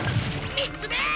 ３つ目！